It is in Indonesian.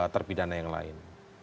terpidana yang lain